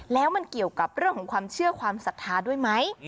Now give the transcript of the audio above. แล้วมันเกี่ยวกับเรื่องของความเชื่อความศรัทธาด้วยไหม